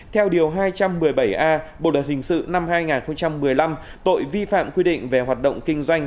theo điều hai trăm một mươi bảy a bộ luật hình sự năm hai nghìn một mươi năm tội vi phạm quy định về hoạt động kinh doanh